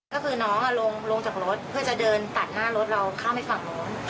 ก็คือน้องลงจากรถเพื่อจะเดินตัดหน้ารถเราข้ามไปฝั่งโน้น